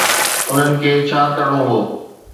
انهن کي ڇا ڪرڻو هو.